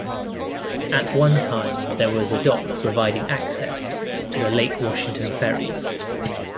At one time there was a dock providing access to the Lake Washington ferries.